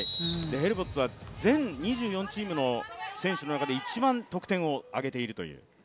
ヘルボッツは全２４チームの中で一番得点を挙げているという。